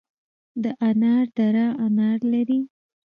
د انار دره انار لري